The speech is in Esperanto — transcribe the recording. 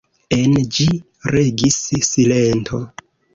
En ĝi regis silento.